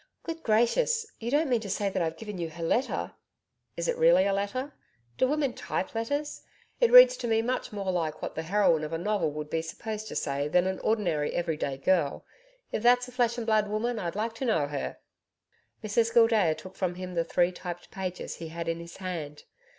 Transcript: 'Good gracious! You don't mean to say that I've given you her letter?' 'Is it really a letter? Do women type letters? It reads to me much more like what the heroine of a novel would be supposed to say than an ordinary everyday girl. If that's a flesh and blood woman I'd like to know her.' Mrs Gildea took from him the three typed pages he had in his hand.